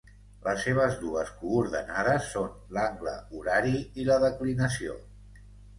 Les seves dues coordenades són l'angle horari i la declinació.